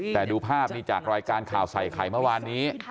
แต่ดูภาพนี้จากรายการข่าวใส่ไข่เมื่อวานนี้